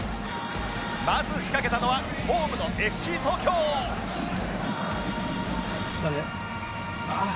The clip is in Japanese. まず仕掛けたのはホームの ＦＣ 東京ああ。